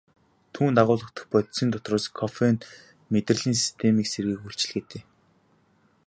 Түүнд агуулагдах бодисын дотроос кофеин мэдрэлийн системийг сэргээх үйлчилгээтэй.